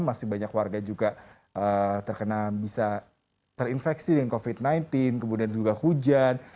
masih banyak warga juga terkena bisa terinfeksi dengan covid sembilan belas kemudian juga hujan